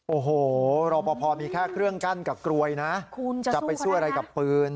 โอ้โหรอปภมีแค่เครื่องกั้นกับกรวยนะจะไปช่วยอะไรกับปืน